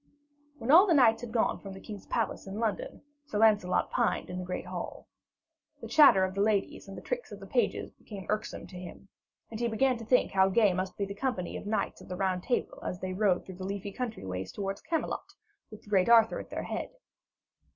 When all the knights had gone from the king's palace in London, Sir Lancelot pined in the great hall. The chatter of the ladies and the tricks of the pages became irksome to him, and he began to think how gay must be the company of the knights of the Round Table, as they rode through the leafy country ways towards Camelot, with the great Arthur at their head.